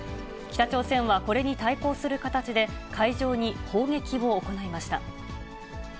北朝鮮はこれに対抗する形で、海上に砲撃を行いました。